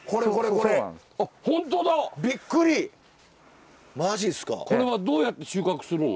これはどうやって収穫するの？